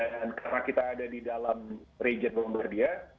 dan karena kita ada di dalam region lombardia